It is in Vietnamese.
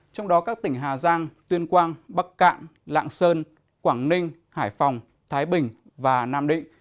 trong đó các tỉnh hà giang tuyên quang bắc cạn lạng sơn quảng ninh hải phòng thái bình và nam định